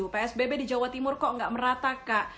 psbb di jawa timur kok nggak merata kak